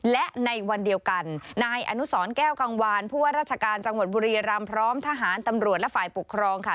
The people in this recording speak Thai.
และในวันเดียวกันนายอนุสรแก้วกังวานผู้ว่าราชการจังหวัดบุรีรำพร้อมทหารตำรวจและฝ่ายปกครองค่ะ